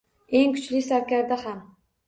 Eng kuchli sarkarda ham.